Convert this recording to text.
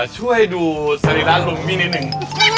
ช่วยดูสนิทธาทุนพี่นิดนึง